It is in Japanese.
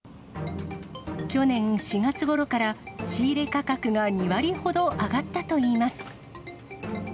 去年４月ごろから仕入れ価格が２割ほど上がったといいます。